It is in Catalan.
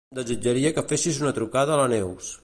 Desitjaria que fessis una trucada a la Neus.